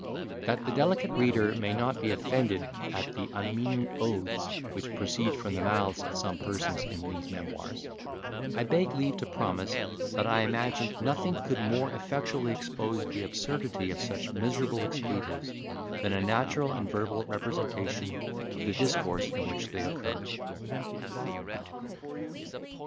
That the delicate reader may not be offended at the unmeaning oaths which proceed from the mouths of some persons in these memoirs, I beg leave to promise, that I imagined nothing could more effectually expose the absurdity of such miserable expletives, than a natural and verbal representation of the discourse in which they occur.